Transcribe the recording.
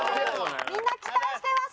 みんな期待してます